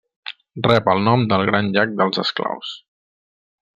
Rep el nom del Gran Llac dels Esclaus.